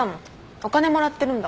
お金もらってるんだもん。